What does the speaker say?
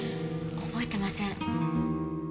覚えてません。